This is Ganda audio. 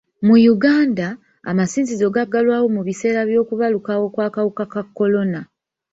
Mu Uganda, amasinzizo gaggalwawo mu biseera by'okubalukawo kw'akawuka ka kolona.